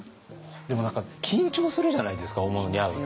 でも何か緊張するじゃないですか大物に会うと。